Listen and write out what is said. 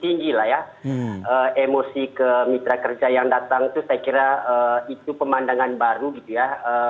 tinggi lah ya emosi ke mitra kerja yang datang itu saya kira itu pemandangan baru gitu ya